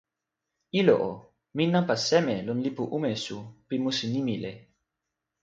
ilo o, mi nanpa seme lon lipu umesu pi musi Nimile?